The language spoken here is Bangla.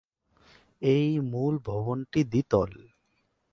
এই মূল ভবনটি দ্বি-তল।